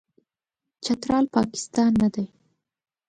چترال، پاکستان نه دی.